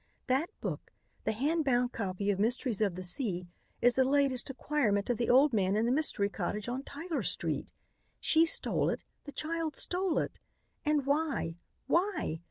That book, the hand bound copy of 'Mysteries of the Sea,' is the latest acquirement of the old man in the mystery cottage on Tyler street. She stole it; the child stole it. And why? Why?